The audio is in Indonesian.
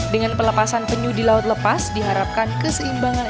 dengan pelepasan penyu di laut lepas diharapkan keseimbangan